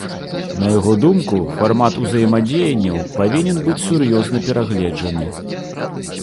На яго думку, фармат узаемадзеянняў павінен быць сур'ёзна перагледжаны.